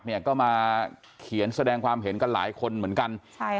เนี่ยก็มาเขียนแสดงความเห็นกันหลายคนเหมือนกัน